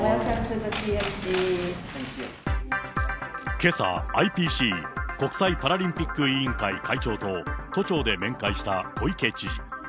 けさ、ＩＰＣ・国際パラリンピック委員会会長と、都庁で面会した小池知事。